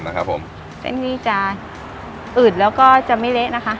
นะครับผมเส้นนี้จะอืดแล้วก็จะไม่เละนะคะ